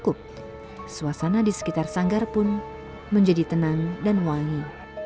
dan suasana di sekitar sanggar pun menjadi tenang dan wangi